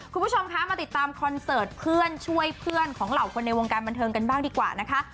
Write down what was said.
คุณผู้ชมคะมาติดตามคอนเสิร์ตเพื่อนช่วยเพื่อนของเหล่าคนในวงการบันเทิงกันบ้างดีกว่านะคะ